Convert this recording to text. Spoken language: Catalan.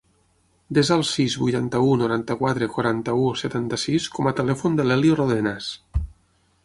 Desa el sis, vuitanta-u, noranta-quatre, quaranta-u, setanta-sis com a telèfon de l'Elio Rodenas.